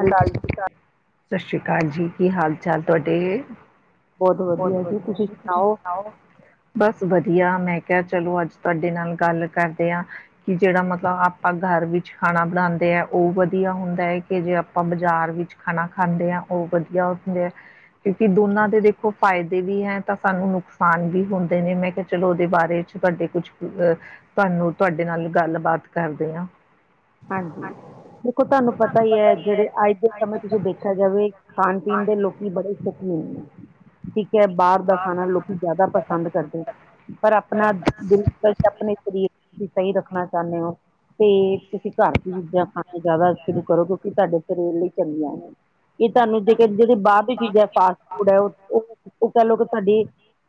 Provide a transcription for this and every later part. ਹਾਲਾਤ ਸ੍ਰੀ ਆਕਾਲ ਜੀ ਕੀ ਹਾਲ -ਚਾਲ ਤੁਹਾਡੇ। ਬਹੁਤ ਵਧੀਆ ਜੀ, ਤੁਸੀ ਸੁਣਾਓ? ਬਸ ਵਧੀਆ, ਮੈਂ ਕਿਹਾ ਚਲੋ ਅੱਜ ਤੁਹਾਡੇ ਨਾਲ ਗੱਲ ਕਰਦੇ ਆ। ਕਿ ਜਿਹੜਾ ਮਤਲਬ ਆਪਾਂ ਘਰ ਵਿੱਚ ਖਾਣਾ ਬਣਾਂਦੇ ਆ, ਉਹ ਵਧੀਆ ਹੁੰਦਾ ਐ ਕੀ ਕਿ ਜੇ ਆਪਾਂ ਬਾਜ਼ਾਰ ਵਿੱਚ ਖਾਣਾ ਖਾਂਦੇ ਹਾਂ, ਉਹ ਵਧੀਆ ਹੁੰਦੇ ਆ। ਕਿਉਂਕਿ, ਦੋਨਾਂ ਦੇ ਦੇਖੋ ਫਾਇਦੇ ਵੀ ਹੈ। ਤਾਂ ਸਾਨੂੰ ਨੁਕਸਾਨ ਵੀ ਹੁੰਦੇ ਨੇ, ਮੈਂ ਕਿਹਾ ਚਲੋ ਉਹਦੇ ਬਾਰੇ ਚ ਤੁਹਾਡੇ ਕੁਛ ਅਹ ਤੁਹਾਨੂੰ, ਤੁਹਾਡੇ ਨਾਲ ਗੱਲਬਾਤ ਕਰਦੇ ਆ। ਹਾਂਜੀ, ਦੇਖੋ ਤੁਹਾਨੂੰ ਪਤਾ ਹੀ ਹੈ, ਜਿਹੜੇ ਅੱਜ ਦੇ ਸਮੇਂ ਚ ਤੁਸੀਂ ਦੇਖਿਆ ਜਾਵੇ ਖਾਣ -ਪੀਣ ਦੇ ਲੋਕੀ ਬੜੇ ਸ਼ੌਕੀਨ ਨੇ। ਠੀਕ ਹੈ, ਬਾਹਰ ਦਾ ਖਾਣਾ ਲੋਕੀ ਜ਼ਿਆਦਾ ਪਸੰਦ ਕਰਦੇ ਨੇ। ਪਰ ਆਪਣਾ ਦਿਲ, [unintelligible] ਕਲ ਆਪਣੇ ਸਰੀਰ 'ਚ ਸਹੀ ਰੱਖਣਾ ਚਾਹੁੰਦੇ ਹੋ ਤੇ ਤੁਸੀ ਘਰ ਦੀ ਚੀਜ਼ਾਂ ਖਾਣਾ ਜ਼ਿਆਦਾ ਸ਼ੁਰੂ ਕਰੋ, ਕਿਉਂਕਿ ਤੁਹਾਡੇ ਸਰੀਰ ਲਈ ਚੰਗੀਆਂ ਨੇ। ਇਹ ਤੁਹਾਨੂੰ ਜਿਹੜੇ ਬਾਹਰ ਦੀ ਚੀਜ਼ ਫਾਸਟ-ਫੂਡ ਹੈ, ਉਹ ਕਹਿ ਲਓ ਕਿ ਤੁਹਾਡੇ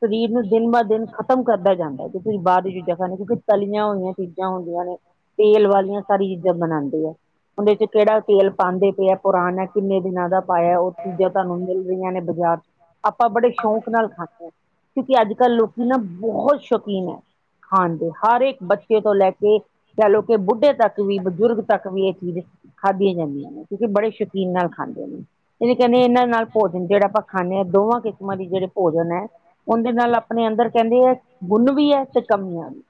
ਸਰੀਰ ਨੂੰ ਦਿਨ ਬਾ ਦਿਨ ਖ਼ਤਮ ਕਰਦਾ ਜਾਂਦਾ ਹੈ, ਜੇ ਤੁਸੀ ਬਾਹਰ ਦੀ ਚੀਜ਼ਾਂ ਖਾਣੇ ਕਿਉਂਕਿ ਤਲੀਆਂ ਹੋਈਆਂ ਚੀਜ਼ਾਂ ਚ ਹੁੰਦੀਆਂ ਨੇ। ਤੇਲ ਵਾਲੀਆਂ ਸਾਰੀ ਚੀਜ਼ਾਂ ਬਣਾਂਦੇ ਆ। ਉਹਦੇ ਚ ਕਿਹੜਾ ਤੇਲ ਪਾਉਂਦੇ ਪਏ ਆ, ਪੁਰਾਣਾ ਹੈ ਕਿੰਨੇ ਦਿਨਾਂ ਦਾ ਪਾਇਆ, ਉਹ ਚੀਜ਼ਾਂ ਤੁਹਾਨੂੰ ਮਿਲ ਰਹੀਆਂ ਨੇ ਬਜ਼ਾਰ ਚ ਆਪਾਂ ਬੜੇ ਸ਼ੌਂਕ ਨਾਲ ਖਾਂਣੇ ਆ, ਕਿਉਂਕਿ ਅੱਜ-ਕੱਲ੍ਹ ਲੋਕੀ ਨਾ ਬਹੁਤ ਸ਼ੌਕੀਨ ਆ। ਖਾਂਦੇ ਆ, ਹਰ ਇੱਕ ਬੱਚੇ ਤੋਂ ਲੈ ਕੇ ਕਹਿ ਲਓ ਕਿ ਬੁੱਢੇ ਤੱਕ। ਬਜ਼ੁਰਗ ਤੱਕ ਵੀ ਚੀਜ਼ ਖਾਧੀਆਂ ਜਾਂਦੀਆਂ ਨੇ, ਕਿਉਂਕਿ ਬੜੇ ਸ਼ੌਕੀਨ ਨਾਲ ਖਾਂਦੇ ਨੇ। ਇਹਦੇ ਕਹਿੰਦੇ ਇਹਨਾਂ ਨਾਲ ਭੋਜਨ ਜਿਹੜਾ ਆਪਾਂ ਖਾਂਣੇ ਆ, ਦੋਵਾਂ ਕਿਸਮਾਂ ਦੇ ਜਿਹੜੇ ਭੋਜਨ ਏ ਉਹਦੇ ਨਾਲ ਆਪਣੇ ਅੰਦਰ ਕਹਿੰਦੇ ਆ ਗੁਣ ਵੀ, ਐ ਤੇ ਕਮੀਆਂ ਵੀ।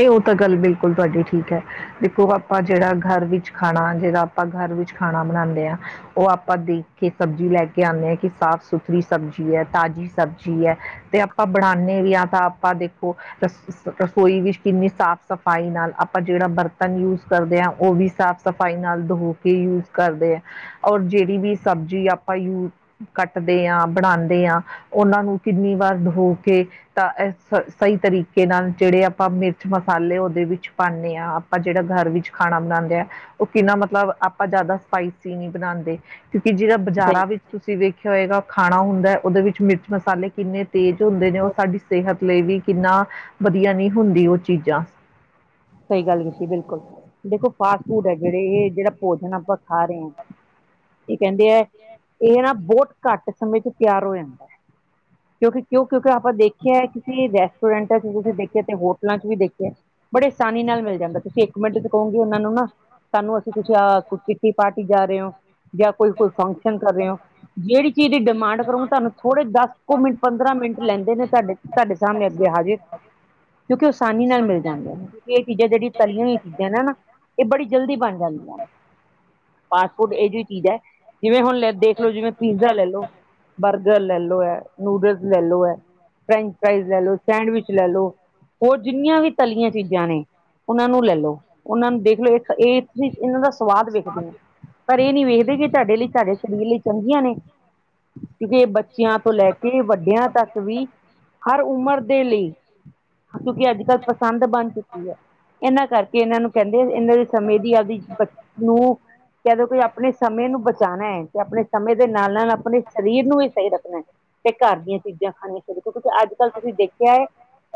ਇਹ ਉਹ ਤਾਂ ਗੱਲ ਬਿਲਕੁੱਲ ਤੁਹਾਡੀ ਠੀਕ ਹੈ, ਦੇਖੋ ਆਪਾ ਜਿਹੜਾ ਗਰ ਵਿੱਚ ਖਾਣਾ ਜਿਹੜਾ ਆਪਾਂ ਗਰ ਵਿੱਚ ਖਾਣਾ ਬਣਾਂਦੇ ਆ। ਉਹ ਆਪਾਂ ਦੇਖ ਕੇ ਸਬਜ਼ੀ ਲੈ ਕੇ ਆਂਣੇ ਆ, ਕਿ ਸਾਫ਼- ਸੁਥਰੀ ਸਬਜ਼ੀ ਹੈ ਤਾਜ਼ੀ ਸਬਜ਼ੀ ਹੈ ਤੇ ਆਪਾਂ ਬਣਾਣੇ ਵੀ ਹਾਂ ਤਾਂ ਆਪਾਂ ਦੇਖੋ ਰਸ- ਰਸੋਈ ਵੀ ਕਿੰਨੀ ਸਾਫ਼ ਸਾਫ਼-ਸਫਾਈ ਨਾਲ ਆਪਾਂ ਜਿਹੜਾ ਬਰਤਨ ਯੂਜ਼ ਕਰਦੇ ਹਾਂ, ਉਹ ਵੀ ਸਾਫ਼ -ਸਫਾਈ ਨਾਲ ਧੋ ਕੇ ਯੂਜ਼ ਕਰਦੇ ਆ। ਔਰ ਜਿਹੜੀ ਵੀ, ਸਬਜ਼ੀ ਆਪਾਂ ਯੂ ਕੱਟਦੇ ਹਾਂ ਬਣਾਂਦੇ ਹਾਂ, ਉਹਨਾਂ ਨੂੰ ਕਿੰਨੀ ਵਾਰ ਦੋ ਕੇ ਤਾਂ ਸਹੀ ਤਰੀਕੇ ਨਾਲ, ਜਿਹੜੇ ਆਪਾਂ ਮਿਰਚ ਮਸਾਲੇ ਉਹਦੇ ਵਿੱਚ ਪਾਨੀ ਆ, ਆਪਾਂ ਜਿਹੜਾ ਗਰ ਵਿੱਚ ਖਾਣਾ ਬਣਾਂਦੇ ਹਾਂ ਉਹ ਕਿੰਨਾ ਮਤਲਬ ਆਪਾਂ ਜ਼ਿਆਦਾ ਸਪਾਈਸੀ ਨਹੀ ਬਣਾਂਦੇ ਕਿਉਂਕਿ ਜਿਹੜਾ ਸਹੀ ਬਜ਼ਾਰਾਂ ਵਿਚ ਤੁਸੀਂ ਵੇਖਿਆ ਹੋਏਗਾ, ਖਾਣਾ ਹੁੰਦਾ ਉਹਦੇ ਵਿੱਚ ਮਿਰਚ- ਮਸਾਲੇ ਕਿੰਨੇ ਤੇਜ਼ ਹੁੰਦੇ ਨੇ ਉਹ ਸਾਡੀ ਸਿਹਤ ਲਈ ਵੀ ਕਿੰਨਾ ਵਧੀਆ ਨਹੀ ਹੁੰਦੀ ਉਹ ਚੀਜ਼ਾਂ। ਸਹੀ ਗੱਲ ਕੀਤੀ ਬਿਲਕੁੱਲ ਦੇਖੋ ਫਾਸਟ ਫੂਡ ਜਿਹੜੇ, ਇਹ ਜਿਹੜਾ ਭੋਜਨ ਆਪਾਂ ਖਾ ਰਹੇ ਆ। ਕੀ ਕਹਿੰਦੇ ਆ, ਇਹ ਨਾ ਬਹੁਤ ਘੱਟ ਸਮੇਂ ਚ ਤਿਆਰ ਹੋ ਜਾਂਦਾ ਹੈ। [inaudible] ਕਿਉਂਕਿ ਕਿਉਂ ਕਿਉਂਕਿ ਆਪਾਂ ਦੇਖਿਆ ਕਿ ਰੈਸਟੋਰੈਂਟਾਂ ਚ ਤੁਸੀਂ ਦੇਖਿਆ ਤੇ ਹੋਟਲਾਂ ਚ ਵੀ ਦੇਖਿਆ। ਬੜੇ ਆਸਾਨੀ ਨਾਲ ਮਿਲ ਜਾਂਦਾ, ਤੁਸੀਂ ਇੱਕ ਮਿੰਟ ਚ ਕਹੋਗੇ ਉਹਨਾਂ ਨੂੰ ਨਾ ਸਾਨੂੰ ਅਸੀਂ ਤੁਸੀਂ ਪਾਰਟੀ ਜਾ ਰਹੇ ਹੋ ਜਾਂ ਕੋਈ- ਕੋਈ ਫੰਕਸ਼ਨ ਕਰ ਰਹੇ ਹੋ। ਜਿਹੜੀ ਚੀਜ਼ ਦੀ ਡਿਮਾਂਡ ਕਰੂੰਗੇ ਤੁਹਾਨੂੰ ਥੋੜੇ ਦਸ ਕੁ ਮਿੰਟ ਪੰਦਰਾਂ ਮਿੰਟ ਲੈਂਦੇ ਨੇ ਤੁਹਾਡੇ ਤੁਹਾਡੇ ਸਾਮਣੇ ਅੱਗੇ ਹਾਜ਼ਰ ਕਿਉਂਕਿ ਆਸਾਨੀ ਨਾਲ ਮਿਲ ਜਾਂਦੇ ਹੈ। ਇਹ ਚੀਜ਼ਾਂ ਜਿਹੜੀ ਤਲਿਆਂ ਹੋਈਆਂ ਚੀਜ਼ਾਂ ਨੇ ਨਾ ਇਹ ਬੜੀ ਜਲਦੀ ਬਣ ਜਾਂਦੀਆਂ ਫਾਸਟ- ਫੂਡ ਇਹੋ ਜਿਹੀ ਚੀਜ਼ ਹੈ। ਜਿਵੇਂ ਹੁਣ ਲੇ ਦੇਖ ਲੋ ਜਿਵੇਂ ਪੀਜ਼ਾ ਲੈ ਲੋ, ਬਰਗਰ ਲੈ ਲੋ, ਹੈ ਨੂਡਲਸ ਲੈ ਲੋ ਹੈ। ਫਰੈਂਚ ਫਰਾਾਈਜ਼ ਲੈ ਲੋ, ਸੈਂਡਵਿਚ ਲੈ ਲੋ, ਹੋਰ ਜਿੰਨੀਆਂ ਵੀ ਤਲੀਆਂ ਚੀਜ਼ਾਂ ਨੇ ਉਹਨਾਂ ਨੂੰ ਲੈ ਲਓ, ਉਹਨਾਂ ਨੂੰ ਦੇਖ ਲੋ ਇਹ ਤੁਸੀ ਇਹਨਾਂ ਦਾ ਸਵਾਦ ਵੇਖਦੇ ਹੋ। ਪਰ ਏ ਨਈ ਵੇਖਦੇ ਕਿ ਤੁਆਡੇ ਲਈ ਤਾਡੇ ਸਰੀਰ ਲਈ ਚੰਗੀਆਂ ਨੇ। ਕਿਉਕਿ ਬੱਚੇਆਂ ਤੋਂ ਲੈ ਕੇ ਵੱਡੇਆਂ ਤੱਕ ਵੀ ਹਰ ਉਮਰ ਦੇ ਲਈ, ਕਿਉਂਕਿ ਅੱਜ -ਕੱਲ ਪਸੰਦ ਬਣ ਚੁੱਕੀ ਯਾ, ਏਨਾਂ ਕਰਕੇ ਏਨਾਂ ਨੂੰ ਕੇਂਦੇ ਏਨਾਂ ਦੇ ਸਮੇਂ ਦੀ ਆਪਦੀ ਬੱਚਤ ਨੂੰ ਕੇ ਦਓ ਆਪਣੇ ਸਮੇਂ ਨੂੰ ਬਚਾਣਾ ਐ ਤੇ ਆਪਣੇ ਸਮੇਂ ਦੇ ਨਾਲ -ਨਾਲ ਆਪਣੇ ਸਰੀਰ ਨੂੰ ਵੀ ਸਈ ਰੱਖਣਾ ਐ। ਤੇ ਘਰ ਦੀਆਂ ਚੀਜ਼ਾਂ ਖਾਣੀਆਂ ਸ਼ੁਰੂ ਕਰੋ ਕਿਉਂਕਿ ਅੱਜ -ਕੱਲ੍ਹ ਤੁਸੀਂ ਦੇਖਿਆ ਏ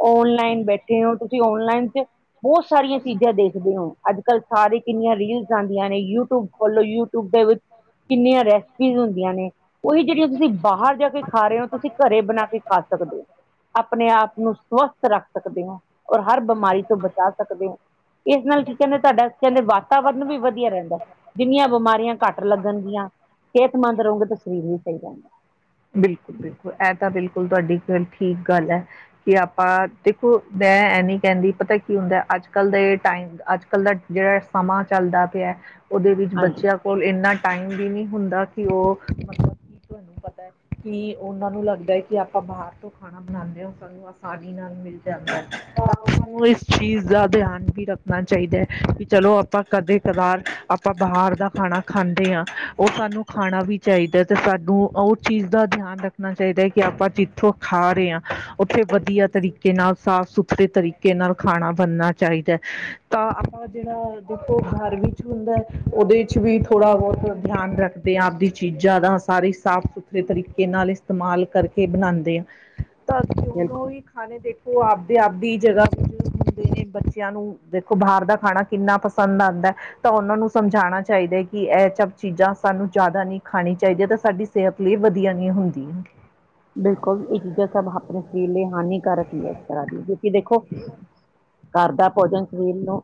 ਔਨਲਾਈਨ ਬੈਠੇ ਹੋ, ਤੁਸੀਂ ਔਨਲਾਈਨ ਚ ਬੋਤ ਸਾਰੀਆਂ ਚੀਜ਼ਾਂ ਦੇਖਦੇ ਹੋ ਅੱਜ -ਕੱਲ੍ਹ ਸਾਰੀ ਕਿੰਨੀਆਂ ਰੀਲਸ ਆਂਦੀਆਂ ਨੇ ਯੂਟਿਊਬ ਖੋਲੋ ਯੂਟਿਊਬ ਦੇ ਵਿੱਚ ਕਿੰਨੀਆਂ ਰੈਸਪੀਜ਼ ਹੁੰਦੀਆਂ ਨੇ, ਉਹੀ ਜੇੜੀਆਂ ਤੁਸੀਂ ਬਾਹਰ ਜਾ ਕੇ ਖਾ ਰਹੇ ਹੋ ਤੁਸੀਂ ਘਰੇ ਬਣਾ ਕੇ ਖਾ ਸਕਦੇ ਹੋ, ਆਪਣੇ ਆਪ ਨੂੰ ਸਵਸਥ ਰੱਖ ਸਕਦੇ ਹਾ ਔਰ ਹਰ ਬਮਾਰੀ ਤੋ ਬਚਾ ਸਕਦੇ ਹੋ ਇਸ ਨਾਲ ਕੀ ਕੇਂਦੇ ਤੁਆਡਾ ਕੇਂਦੇ ਵਾਤਾਵਰਨ ਵੀ ਵੱਧੀਆ ਰੇਂਦਾ। ਜਿੰਨੀਆਂ ਬਿਮਾਰੀਆਂ ਘੱਟ ਲੱਗਣਗੀਆਂ ਸੇਹਤਮੰਦ ਰਹੋਗੇ ਤਾਂ ਸਰੀਰ ਵੀ ਸਈ ਰੇਂਦਾ। ਬਿਲਕੁਲ -ਬਿਲਕੁਲ ਐ ਤਾਂ ਬਿਲਕੁਲ ਤੁਆਡੀ ਫੇਰ ਠੀਕ ਗੱਲ ਆ ਕਿ ਆਪਾਂ ਦੇਖੋ ਮੈਂ ਐਨੀ ਕੇਂਦੀ ਪਤਾ ਕੀ ਹੁੰਦਾ ਅੱਜ- ਕੱਲ ਦੇ ਟਾਈਮ ਅੱਜ-ਕੱਲ ਦਾ ਜੇੜਾ ਸਮਾਂ ਚੱਲਦਾ ਪੇਆ ਓਦੇ ਵਿੱਚ ਹਾਂਜੀ ਬੱਚੇਆਂ ਕੋਲ ਏਂਨਾ ਟਾਈਮ ਵੀ ਨਈ ਹੁੰਦਾ ਕਿ ਓ ਮਤਲਬ ਕੀ ਤੁਆਨੂੰ ਪਤਾ ਹੈ ਕਿ ਉਹਨਾਂ ਨੂੰ ਲੱਗਦਾ ਹੈ ਕਿ ਆਪਾਂ ਬਾਹਰ ਤੋਂ ਖਾਣਾ ਬਣਾਉਂਦੇ ਹੋ ਸਕ ਆਸਾਨੀ ਨਾਲ ਮਿਲ ਜਾਂਦਾ ਐ। ਓ ਇਸ ਚੀਜ਼ ਦਾ ਦਿਆਨ ਵੀ ਰੱਖਣਾ ਚਾਈਦਾ ਐ ਵੀ ਚਲੋ ਆਪਾਂ ਕਦੇ ਕਦਾਰ ਆ ਆਪਾਂ ਬਾਹਰ ਦਾ ਖਾਣਾ ਖਾਂਦੇ ਆ ਓ ਸਾਨੂੰ ਖਾਣਾ ਵੀ ਚਾਈਦਾ ਤੇ ਸਾਨੂੰ ਓ ਚੀਜ਼ ਦਾ ਦਿਆਨ ਰੱਖਣਾ ਚਾਈਦਾ ਕਿ ਆਪਾਂ ਜਿੱਥੋਂ ਖਾ ਰਹੇ ਹਾਂ ਉੱਥੇ ਵਧੀਆ ਤਰੀਕੇ ਨਾਲ ਸਾਫ਼ ਸੁਥਰੇ ਵੱਖਰੇ ਤਰੀਕੇ ਨਾਲ ਖਾਣਾ ਬਣਨਾ ਚਾਈਦਾ ਤਾਂ ਆਪਾ ਜੇੜਾ ਦੇਖੋ ਗਰ ਵਿੱਚ ਹੁੰਦਾ ਓਦੇ ਚ ਵੀ ਥੋੜਾ ਬੌਤ ਦਿਆਨ ਰੱਖ ਤੇ ਆਪਦੀ ਚੀਜ਼ਾਂ ਦਾ ਸਾਰੇ ਸਾਫ਼ -ਸੁਥਰੇ ਤਰੀਕੇ ਨਾਲ ਇਸਤੇਮਾਲ ਕਰਕੇ ਬਣਾਂਦੇ ਆ। ਤਾਂ ਤੁਸੀਂ ਬਿਲਕੁਲ ਦੋਨੋ ਹੀ ਖਾਣੇ ਦੇਖੋ ਆਪਦੇ- ਆਪਦੀ ਜਗ੍ਹਾ ਤੇ ਕੇ ਬੱਚੇਆਂ ਨੂੰ ਦੇਖੋ ਬਾਹਰ ਦਾ ਖਾਣਾ ਕਿੰਨਾ ਪਸੰਦ ਆਂਦਾ ਤਾਂ ਉਹਨਾਂ ਨੂੰ ਸਮਝਾਣਾ ਚਾਈਦਾ ਐ ਕਿ ਏ ਸਭ ਚੀਜ਼ਾਂ ਸਾਨੂੰ ਜ਼ਾਦਾ ਨਈ ਖਾਣੀ ਚਾਈਦੀਆਂ ਤੇ ਸਾਡੀ ਸੇਹਤ ਲਈ ਵੱਧੀਆ ਨੀ ਹੁੰਦੀ-ਹੁੰਦੀ। ਬਿਲਕੁਲ, ਏ ਚੀਜ਼ਾਂ ਸਭ ਆਪਣੇ ਸਰੀਰ ਲਈ ਹਾਨੀਕਾਰਕ ਹੀ ਇਸ ਤਰ੍ਹਾਂ ਦੀ ਕਿਉਂਕਿ ਦੇਖੋ ਘਰ ਦਾ ਭੋਜਨ ਸਰੀਰ ਨੂੰ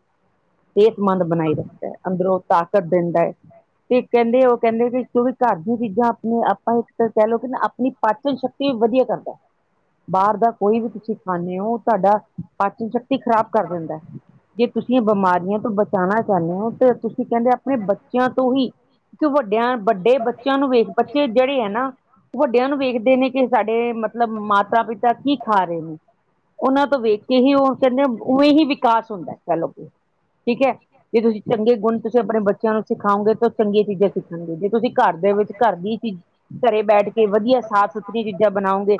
ਸੇਤਮੰਦ ਬਣਾਈ ਰੱਖਦਾ ਐ। ਅੰਦਰੋਂ ਤਾਕਤ ਦਿੰਦਾ ਐ। ਤੇ ਕੇਂਦੇ ਓ ਕੇਂਦੇ ਕਿ ਜੋ ਵੀ ਘਰ ਦੀਆਂ ਚੀਜ਼ਾਂ ਆਪਣੇ ਆਪਾਂ ਇੱਕ ਕੈ ਲਓ ਕਿ ਨਾ ਆਪਣੀ ਪਾਚਨ ਸ਼ਕਤੀ ਵੱਧੀਆ ਕਰਦਾ, ਬਾਰ ਦਾ ਕੋਈ ਵੀ ਤੁਸੀਂ ਖਾਂਨੇ ਓ ਤਾਡਾ ਪਾਚਨ ਸ਼ਕਤੀ ਖ਼ਰਾਬ ਕਰ ਦਿੰਦਾ, ਜੇ ਤੁਸੀਂ ਬਿਮਾਰੀਆਂ ਤੋਂ ਬਚਾਣਾ ਚਾਂਦੇ ਹੋ ਤਾਂ ਤੁਸੀਂ ਕੇਂਦੇ ਆਪਣੇ ਬੱਚੇਆਂ ਤੋਂ ਹੀ, ਕਿਉਕਿ ਵੱਡੇ ਬੱਚੇਆਂ ਨੂੰ ਵੇਖ ਬੱਚੇ ਜੇੜੇ ਹੈ ਨਾ ਵੱਡੇਆਂ ਨੂੰ ਵੇਖਦੇ ਨੇ ਕਿ ਸਾਡੇ ਮਤਲਬ ਮਾਤਾ ਪਿਤਾ ਕੀ ਖਾ ਰਏ ਨੇ ਓਨਾਂ ਤੋਂ ਵੇਖ ਕੇ ਹੀ ਓ ਕੇਂਦੇ ਉਵੇਂ ਹੀ ਵਿਕਾਸ ਹੁੰਦਾ ਕੈ ਲਓ ਕਿ ਠੀਕ ਹੈ ਜੇ ਤੁਸੀਂ ਚੰਗੇ ਗੁਣ ਤੁਸੀਂ ਆਪਣੇ ਬੱਚੇਆਂ ਨੂੰ ਸਿਖਾਓਗੇ ਤੇ ਚੰਗੀਆਂ ਚੀਜ਼ਾਂ ਸਿੱਖਣਗੇ ਜੇ ਤੁਸੀਂ ਘਰ ਦੇ ਵਿੱਚ ਘਰ ਦੀ ਚੀਜ਼ ਘਰੇ ਬੈਠ ਕੇ ਵੱਧੀਆਂ ਸਾ ਸੁਥਰੀ ਚੀਜ਼ਾਂ ਬਣਾਓਗੇ।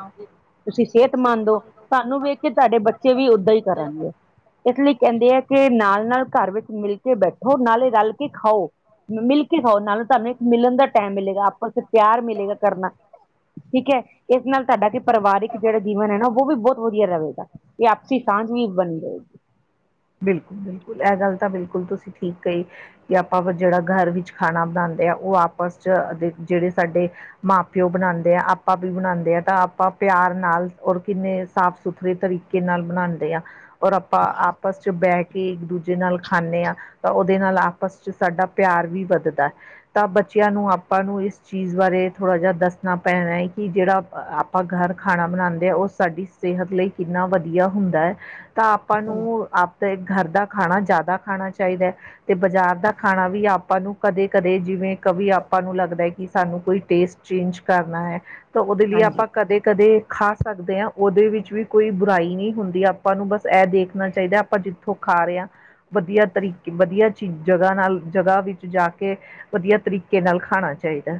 ਤੁਸੀਂ ਸੇਤਮੰਦ ਹੋ ਤਾਨੂੰ ਵੇਖ ਕੇ ਤੁਆਡੇ ਬੱਚੇ ਵੀ ਓਦਾਂ ਈ ਕਰਨਗੇ। ਇਸ ਲਈ ਕੇਂਦੇ ਆ ਕਿ ਨਾਲ-ਨਾਲ ਘਰ ਵਿੱਚ ਮਿਲ ਕੇ ਬੈਠੋ ਨਾਲੇ ਰਲ ਕੇ ਖਾਓ। ਮਿਲ ਕੇ ਖਾਓ ਨਾਲੇ ਤੁਆਨੂੰ ਇੱਕ ਮਿਲਣ ਦਾ ਟਾਈਮ ਮਿਲੇਗਾ ਆਪਸ ਚ ਪਿਆਰ ਮਿਲੇਗਾ ਕਰਨਾ। ਠੀਕ ਐ, ਇਸ ਨਾਲ ਤੁਆਡਾ ਕਿ ਪਰਿਵਾਰਿਕ ਜੇੜਾ ਜੀਵਨ ਐ ਨਾ ਓ ਵੀ ਬੋਤ ਵੱਧੀਆ ਰਵੇਗਾ। ਤੇ ਆਪਸੀ ਸਾਂਝ ਵੀ ਬਣੀ ਰਏਗੀ। ਬਿਲਕੁਲ-ਬਿਲਕੁਲ, ਐ ਗੱਲ ਤਾਂ ਬਿਲਕੁਲ ਤੁਸੀਂ ਠੀਕ ਕਈ ਕਿ ਆਪਾਂ ਵ ਜਿਹੜਾ ਘਰ ਵਿੱਚ ਖਾਣਾ ਬਣਾਉਂਦੇ ਆਂ, ਓ ਆਪਸ 'ਚ ਜਿਹੜੇ ਸਾਡੇ ਮਾਂ-ਪਿਓ ਬਣਾਉਂਦੇ ਆ, ਆਪਾਂ ਵੀ ਬਣਾਉਂਦੇ ਆ, ਤਾਂ ਆਪਾਂ ਪਿਆਰ ਨਾਲ ਔਰ ਕਿੰਨੇ ਸਾਫ਼-ਸੁਥਰੇ ਤਰੀਕੇ ਨਾਲ ਬਣਾਂਦੇ ਆ, ਔਰ ਆਪਾਂ ਆਪ ਆਪਸ 'ਚ ਬਹਿ ਕੇ ਇੱਕ ਦੂਜੇ ਨਾਲ ਖਾਣੇ ਆਂ। ਤਾਂ ਓਦੇ ਨਾਲ ਆਪਸ 'ਚ ਸਾਡਾ ਪਿਆਰ ਵੀ ਵੱਧਦਾ। ਤਾਂ ਬੱਚਿਆਂ ਨੂੰ ਆਪਾਂ ਨੂੰ ਇਸ ਚੀਜ਼ ਬਾਰੇ ਥੋੜ੍ਹਾ ਜਿਆ ਦੱਸਣਾ ਪੈਣਾ ਐ ਕਿ ਜਿਹੜਾ ਆਪਾਂ ਘਰ ਖਾਣਾ ਬਣਾਂਦੇ ਆ, ਉਹ ਸਾਡੀ ਸਿਹਤ ਲਈ ਕਿੰਨਾ ਵਧੀਆ ਹੁੰਦਾ ਐ, ਤਾਂ ਆਪਾਂ ਨੂੰ ਆਪ ਤੇ ਘਰ ਦਾ ਖਾਣਾ ਜ਼ਿਆਦਾ ਖਾਣਾ ਚਾਹੀਦਾ। ਤੇ ਬਾਜ਼ਾਰ ਦਾ ਖਾਣਾ ਵੀ ਆਪਾਂ ਨੂੰ ਕਦੇ-ਕਦੇ, ਜਿਵੇਂ ਕਵੀ ਆਪਾਂ ਨੂੰ ਲੱਗਦਾ ਕਿ ਸਾਨੂੰ ਕੋਈ ਟੇਸਟ ਚੇਂਜ ਕਰਨਾ ਐ, ਤੋ ਉਹਦੇ ਲਈ ਹਾਂਜੀ। ਆਪਾਂ ਕਦੇ ਕਦੇ ਖਾ ਸਕਦੇ ਆਂ, ਉਹਦੇ ਵਿੱਚ ਵੀ ਕੋਈ ਬੁਰਾਈ ਨਹੀਂ ਹੁੰਦੀ, ਆਪਾਂ ਨੂੰ ਬਸ ਐ ਦੇਖਣਾ ਚਾਹੀਦਾ ਆਪਾਂ ਜਿੱ ਓ ਖਾ ਰੇ ਆਂ, ਵਧੀਆ ਤਰੀਕ ਵਧੀਆ ਚੀ ਜਗ੍ਹਾ ਨਾਲ ਜਗ੍ਹਾ ਵਿੱਚ ਜਾ ਕੇ ਵਧੀਆ ਤਰੀਕੇ ਨਾਲ ਖਾਣਾ ਚਾਹੀਦਾ।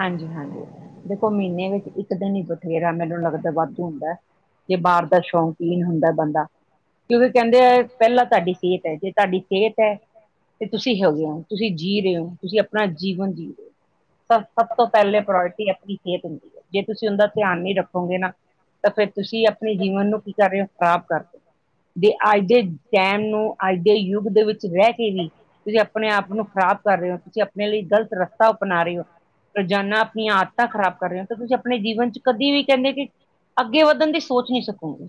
ਹਾਂਜੀ-ਹਾਂਜੀ, ਦੇਖੋ ਮਹੀਨੇ ਵਿੱਚ ਇੱਕ ਦਿਨ ਈ ਬਥੇਰਾ, ਮੈਨੂੰ ਲੱਗਦਾ, ਵਾਧੂ ਹੁੰਦਾ। ਜੇ ਬਾਹਰ ਦਾ ਸ਼ੌਕੀਨ ਹੁੰਦਾ ਬੰਦਾ, ਕਿਉਂਕਿ ਕਹਿੰਦੇ ਆ ਪਹਿਲਾਂ ਤੁਹਾਡੀ ਸੇਹਤ ਐ, ਜੇ ਤੁਹਾਡੀ ਸੇਹਤ ਐ, ਤੇ ਤੁਸੀਂ ਹੈਗੇ ਓ, ਤੁਸੀਂ ਜੀ ਰੇ ਓ, ਤੁਸੀਂ ਆਪਣਾ ਜੀਵਨ ਜੀ ਰਏ ਓ ਪਰ ਸਭ ਤੋਂ ਪਹਿਲੇ ਪ੍ਰੋਰਟੀ ਆਪਣੀ ਸਿਹਤ ਹੁੰਦੀ ਐ, ਜੇ ਤੁਸੀਂ ਉਹਦਾ ਧਿਆਨ ਨੀ ਰੱਖੋਗੇ ਨਾ ਤਾਂ ਫੇਰ ਤੁਸੀਂ ਆਪਣੇ ਜੀਵਨ ਨੂੰ ਕੀ ਕਰ ਰਏ ਓ ਖ਼ਰਾਬ ਕਰ ਰਏ ਦੇ ਅੱਜ ਦੇ ਟੈਮ ਨੂੰ ਅੱਜ ਦੇ ਯੁੱਗ ਦੇ ਵਿੱਚ ਰਹਿ ਕੇ ਵੀ ਤੁਸੀਂ ਆਪਣੇ ਆਪ ਨੂੰ ਖ਼ਰਾਬ ਕਰ ਰਏ ਓ, ਤੁਸੀਂ ਆਪਣੇ ਲਈ ਗ਼ਲਤ ਰਸਤਾ ਅਪਣਾ ਰਏ ਓ। ਰੋਜ਼ਾਨਾ ਆਪਣੀਆਂ ਆਦਤਾਂ ਖ਼ਰਾਬ ਕਰ ਰਏ ਓ, ਤਾਂ ਤੁਸੀਂ ਆਪਣੇ ਜੀਵਨ 'ਚ ਕਦੇ ਵੀ, ਕਹਿੰਦੇ ਕਿ ਅੱਗੇ ਵਧਣ ਦੀ ਸੋਚ ਨਹੀ ਸਕੋਂਗੇ।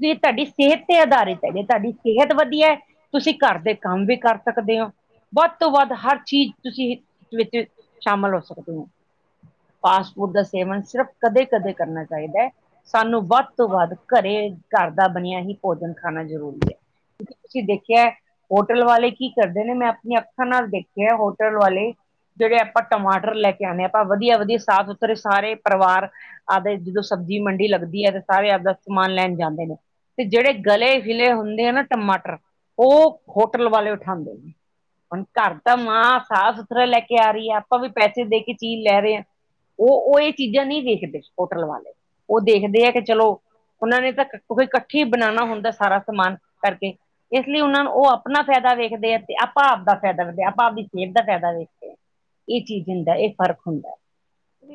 ਤੇ ਏ ਤੁਹਾਡੀ ਸੇਹਤ 'ਤੇ ਆਧਾਰਿਤ ਐ, ਜੇ ਤੁਹਾਡੀ ਸਿਹਤ ਵਧੀਆ ਐ ਤੁਸੀਂ ਘਰ ਦੇ ਕੰਮ ਵੀ ਕਰ ਸਕਦੇ ਓ। ਵੱਧ ਤੋਂ ਵੱਧ ਹਰ ਚੀਜ਼ ਤੁਸੀਂ ਵਿੱਚ ਸ਼ਾਮਿਲ ਹੋ ਸਕਦੇ ਹੋ। ਫਾਸਟਪੂਡ ਦਾ ਸੇਵਨ ਸਿਰਫ ਕਦੇ-ਕਦੇ ਕਰਨਾ ਚਾਹੀਦਾ ਐ। ਸਾਨੂੰ ਵੱਧ ਤੋਂ ਵੱਧ ਘਰੇ ਘਰ ਦਾ ਬਣਿਆ ਹੀ ਭੋਜਨ ਖਾਣਾ ਜ਼ਰੂਰੀ ਐ। ਤੁਸੀਂ ਦੇਖਿਆ ਹੋਟਲ ਵਾਲੇ ਕੀ ਕਰਦੇ ਨੇ, ਮੈਂ ਆਪਣੀਆਂ ਅੱਖਾਂ ਨਾਲ ਦੇਖਿਆ, ਹੋਟਲ ਵਾਲੇ ਜਿਹੜੇ ਆਪਾਂ ਟਮਾਟਰ ਟਰ ਲੈ ਕੇ ਆਉਣੇ ਆਂ ਆਪਾਂ ਵਧੀਆ-ਵਧੀਆ ਸਾਫ਼-ਸੁਥਰੇ ਸਾਰੇ ਪਰਿਵਾਰ ਆਦੇ ਜਿਦੋਂ ਸਬਜ਼ੀ ਮੰਡੀ ਲੱਗਦੀ ਐ, ਤੇ ਸਾਰੇ ਆਪਦਾ ਸਮਾਨ ਲੈਣ ਜਾਂਦੇ ਨੇ। ਤੇ ਜਿਹੜੇ ਗਲੇ-ਗੀਲੇ ਹੁੰਦੇ ਆ ਨਾ ਟਮਾਟਰ, ਉਹ ਹੋਟਲ ਵਾਲੇ ਉਠਾਉਂਦੇ ਨੇ। ਹੁਣ ਘਰ ਤਾਂ ਮਾਂ ਸਾਫ਼-ਸੁਥਰਾ ਲੈ ਕੇ ਆ ਰਿ ਆ, ਆਪਾਂ ਵੀ ਪੈਸੇ ਦੇ ਚੀਜ਼ ਲੈ ਰਹੇ ਹਾਂ। ਉਹ, ਉਹ ਇਹ ਚੀਜ਼ਾਂ ਨਹੀਂ ਦੇੇਖਦੇ ਹੋਟਲ ਵਾਲੇ, ਉਹ ਦੇਖਦੇ ਐ ਕਿ ਚਲੋ ਉਹਨਾਂ ਨੇ ਤਾਂ ਕੋਈ ਇਕੱਠੀ ਹੁੰਦਾ ਸਾਰਾ ਸਮਾਨ ਕਰਕੇ ਇਸ ਲਈ ਉਹਨਾਂ ਨੂੰ ਉਹ ਆਪਣਾ ਫੈਦਾ ਵੇਖਦੇ ਆ ਤੇ ਆਪਾਂ ਆਪ ਦਾ ਫੈਦਾ ਵੇਖਦੇ, ਆਪਾਂ ਆਪਣੀ ਸੇਹਤ ਦਾ ਫੈਦਾ ਵੇਖਦੇ ਹਾਂ। ਏ ਚੀਜ਼ ਹੁੰਦਾ, ਏ ਫ਼ਰਕ ਹੁੰਦਾ।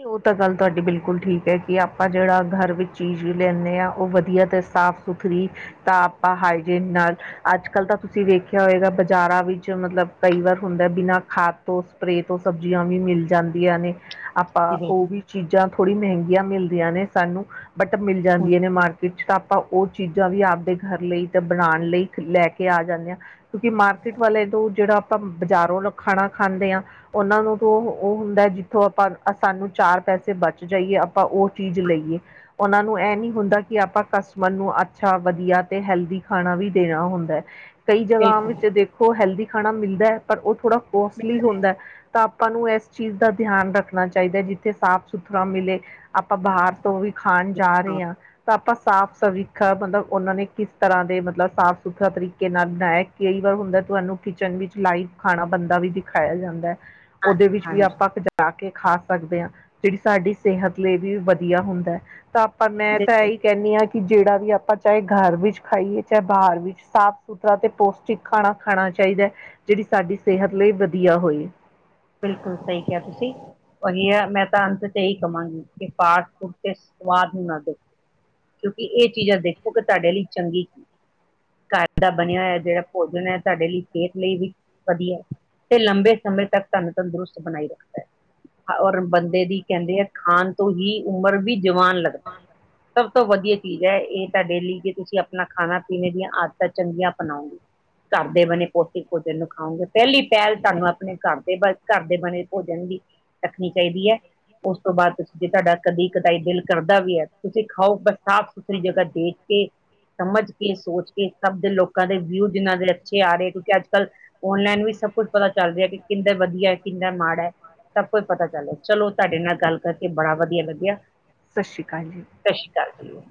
ਉਹ ਤਾਂ ਗੱਲ ਤੁਹਾਡੀ ਬਿਲਕੁਲ ਠੀਕ ਐ ਕਿ ਆਪਾਂ ਜਿਹੜਾ ਘਰ ਵਿੱਚ ਚੀਜ਼ ਲੈਂਨੇ ਆ, ਉਹ ਵਧੀਆ ਤੇ ਸਾਫ਼ ਸੁਥਰੀ ਤਾਂ ਆਪਾਂ ਹਾਈਜੀਨ ਨਾਲ ਅੱਜ-ਕੱਲ੍ਹ ਤਾਂ ਤੁਸੀਂ ਵੇਖਿਆ ਹੋਏਗਾ, ਬਾਜ਼ਾਰਾਂ ਵਿੱਚ, ਮਤਲਬ ਕਈ ਵਾਰ ਹੁੰਦਾ, ਬਿਨਾਂ ਖਾਦ ਤੋਂ ਸਪਰੇ ਤੋਂ ਸਬਜ਼ੀਆਂ ਵੀ ਮਿਲ ਜਾਂਦੀਆਂ ਨੇ ਆਪ ਆ ਜੀ ਓ ਬਿਲਕੁਲ ਵੀ ਚੀਜ਼ਾਂ ਥੋੜ੍ਹੀ ਮਹਿੰਗੀਆਂ ਮਿਲਦੀਆਂ ਨੇ ਸਾਨੂੰ, ਬਟ ਮਿਲ ਜਾਂਦੀਆਂ ਨੇ ਮਾਰਕੀਟ ਵਿੱਚ ਤਾਂ ਆਪਾਂ ਓ ਚੀਜ਼ਾਂ ਵੀ ਆਪਦੇ ਘਰ ਲਈ ਤਾਂ ਬਣਾਉਣ ਲਈ ਲੈ ਕੇ ਆ ਜਾਂਦੇ ਆਂ। ਕਿਉਂਕਿ ਮਾਰਕੀਟ ਵਾਲੇ ਤੋਂ, ਜਿਹੜਾ ਆਪਾਂ ਬਾਜ਼ਾਰੋਂ ਲੋਕ ਖਾਣਾ ਖਾਂਦੇ ਆ ਓਨਾਂ ਨੂੰ ਤੋ ਉਹ ਹੁੰਦਾ ਜਿੱਥੋਂ ਆਪਾ ਸਾਨੂੰ ਚਾਰ ਪੈਸੇ ਬਚ ਜਾਈਏ ਆਪਾਂ ਉਹ ਚੀਜ਼ ਲਈਏ। ਉਨਾਂ ਨੂੰ ਏ ਨੀ ਹੁੰਦਾ ਕਿ ਆਪਾਂ ਕਸਟਮਰ ਨੂੰ ਅੱਛਾ ਵਧੀਆ ਤੇ ਹੈਲਦੀ ਖਾਣਾ ਵੀ ਦੇਣਾ ਹੁੰਦਾ। ਕਈ ਜਗ੍ਹਾ ਬਿਲਕੁਲ ਵਿੱਚ ਦੇਖੋ ਹੈਲਦੀ ਖਾਣਾ ਮਿਲਦਾ ਪਰ ਉਹ ਥੋੜ੍ਹਾ ਕੋਸਟਲੀ ਹੁੰਦਾ। ਤਾਂ ਆਪਾਂ ਨੂੰ ਏਸ ਚੀਜ਼ ਦਾ ਧਿਆਨ ਰੱਖਣਾ ਚਾਈਦਾ ਜਿੱਥੇ ਸਾਫ਼ ਸੁਥਰਾ ਮਿਲੇ। ਆਪਾਂ ਬਾਹਰ ਤੋਂ ਵੀ ਖਾਣ ਜਾ ਹਾਂ ਰਹੇ ਆ ਤਾਂ ਆਪਾਂ ਸਾਫ਼ ਸਵੀ ਮਤਲਬ ਉਨਾਂ ਕਿਸ ਤਰ੍ਹਾਂ ਦੇ ਸਾਫ਼ ਸੁਥਰਾ ਤਰੀਕੇ ਨਾਲ ਬਣਾਇਆ ਕਈ ਵਾਰ ਹੁੰਦਾ ਤੁਹਾਨੂੰ ਕਿਚਨ ਵਿੱਚ ਲਾਈਵ ਖਾਣਾ ਬੰਦਾ ਵੀ ਦਿਖਾਇਆ ਜਾਂਦਾ ਓਦੇ ਵਿੱਚ ਵੀ ਹਾਂਜੀ ਆਪਾਂ ਜਾ ਕੇ ਖਾਸ ਸਕਦੇ ਆ ਜੇੜੀ ਸਾਡੀ ਸਿਹਤ ਲਈ ਵੀ ਵਧੀਆ ਹੁੰਦਾ ਤਾਂ ਆਪਾਂ ਮੈਂ ਤਾਂ ਬਿਲਕੁਲ ਇਹੀ ਕੇਨੀ ਆ, ਕਿ ਜੇੜਾ ਵੀ ਆਪਾਂ ਚਾਹੇ ਘਰ ਵਿੱਚ ਖਾਈਏ ਚਾਹੇ ਬਾਹਰ ਵਿੱਚ ਸਾਫ਼ ਸੁਥਰਾ ਤੇ ਪੌਸ਼ਟਿਕ ਖਾਣਾ ਖਾਨਾ ਚਾਈਦਾ ਜੇੜੀ ਸਾਡੀ ਸਿਹਤ ਲਈ ਵਧੀਆ ਹੋਏ। ਬਿਲਕੁਲ ਸਹੀ ਕਿਹਾ ਤੁਸੀਂ। ਉਹੀ ਆ ਮੈਂ ਤਾਂ ਅੰਤ ਤੇ ਏਹੀ ਕਵਾਂਗੀ ਕਿ ਫਾਸਟ ਫੂਡ ਤੇ ਸਵਾਦ ਹੀ ਨਾ ਦੇਖ ਕਿਉਂਕਿ ਏ ਚੀਜ਼ਾਂ ਦੇਖੋ ਕਿ ਤੁਹਾਡੇ ਲਈ ਚੰਗੀ ਘਰ ਦਾ ਬਣਿਆ ਹੋਇਆ ਜੇੜਾ ਭੋਜਨ ਐ ਤੁਹਾਡੇ ਲਈ ਸਿਹਤ ਲਈ ਵੀ ਵਧੀਆ ਤੇ ਲੰਬੇ ਸਮੇਂ ਤੱਕ ਸਾਨੂੰ ਤੰਦਰੁਸਤ ਬਣਾਈ ਰੱਖਦਾ ਔਰ ਬੰਦੇ ਦੀ ਕੇੰਦੇ ਹੈ ਖਾਣ ਤੋਂ ਹੀ ਉਮਰ ਵੀ ਜਵਾਨ ਲੱਗਦਾ ਸਭ ਸਭ ਤੋਂ ਵਧੀਆ ਚੀਜ਼ ਐ ਏ ਤੁਹਾਡੇ ਲੀ ਕਿ ਤੁਸੀਂ ਆਪਣਾ ਖਾਣਾ ਪੀਣੇ ਦੀਆਂ ਆਦਤਾਂ ਚੰਗੀਆਂ ਅਪਣਾਓਗੇ। ਕਾਰਦੇ ਬਣੇ ਪੋਸੀਕ ਭੋਜਨ ਨੂੰ ਖਾਓਗੇ ਪੈਲੀ ਪੈਲ ਤੁਹਾਨੂੰ ਆਪਣੇ ਕਾਰ ਤੇ ਬਸ ਘਰ ਦੇ ਬਨੇ ਭੋਜਨ ਦੀ ਰੱਖਣੀ ਚਾਈਦੀ ਐ। ਉਸ ਤੋਂ ਬਾਦ ਤੁਸੀਂ ਜੇ ਤੁਹਾਡਾ ਕਦੀ ਕਦਾਈ ਦਿਲ ਕਰਦਾ ਵੀ ਐ ਤੁਸੀਂ ਖਾਓ ਬਸ ਸਾਫ਼ ਸੁਥਰੀ ਜਗਾ ਦੇਖ ਕੇ ਸਮਝ ਕੇ ਸੋਚ ਕੇ ਸਭ ਦੇ ਲੋਕਾਂ ਦੇ ਵਿਊ ਜਿਨਾਂ ਦੇ ਅੱਛੇ ਆ ਰਹੇ ਕਿਉਂਕਿ ਅੱਜ-ਕੱਲ ਔਨਲਾਈਨ ਵੀ ਸਭ ਕੁੱਝ ਪਤਾ ਚੱਲ ਰਿਆ ਕਿ ਕਿੰਦਾ ਵਧੀਆ ਕਿੰਦਾ ਮਾੜਾ। ਸਭ ਕੁਝ ਪਤਾ ਚੱਲ ਰੇ, ਚਲੋ ਤੁਹਾਡੇ ਨਾਲ ਗੱਲ ਕਰਕੇ ਬੜਾ ਵਧੀਆ ਲੱਗਿਆ। ਸਸ ਸ੍ਰੀ ਕਾਲ ਜੀ। ਸਸ ਸੀ ਕਾਲ ਜੀ।